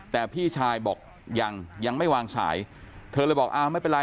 แต่พี่ชายบอกยังยังไม่วางสายเธอเลยบอกอ้าวไม่เป็นไร